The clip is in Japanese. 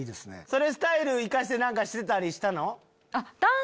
そのスタイル生かして何かしてたりしたの？